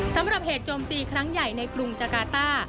สำหรับเหตุโจมตีครั้งใหญ่ในกรุงจากาต้า